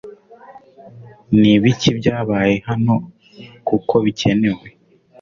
Ni ibiki byabaye hanokuko bikenewe